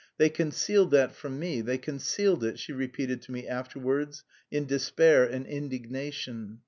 "They concealed that from me, they concealed it," she repeated to me afterwards in despair and indignation.